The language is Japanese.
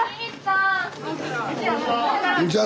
こんにちは。